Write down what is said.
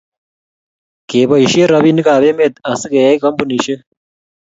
keboishe robinikab emet asigeyai kampunishek